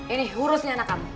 ini urusin anak kamu